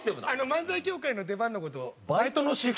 漫才協会の出番の事を。